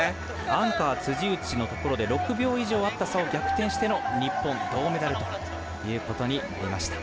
アンカー辻内のところで６秒以上あった差を逆転しての日本、銅メダルということになりました。